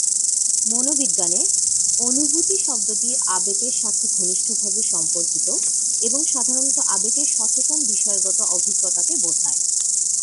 মনোবিজ্ঞানে, অনুভূতি শব্দটি আবেগের সাথে ঘনিষ্ঠভাবে সম্পর্কিত, এবং সাধারণত আবেগের সচেতন বিষয়গত অভিজ্ঞতাকে বোঝায়।